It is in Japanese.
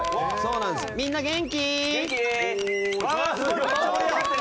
みんな、元気？